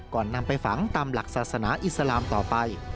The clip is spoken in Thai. นำไปฝังตามหลักศาสนาอิสลามต่อไป